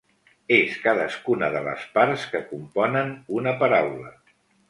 És cadascuna de les parts que componen una paraula.